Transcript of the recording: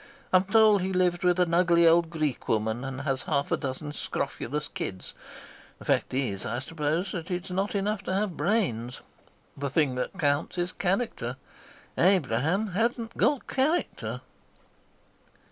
I'm told he lives with an ugly old Greek woman and has half a dozen scrofulous kids. The fact is, I suppose, that it's not enough to have brains. The thing that counts is character. Abraham hadn't got character."